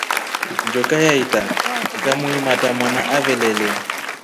Njoka yaitra ikamuimata mwawna avelele.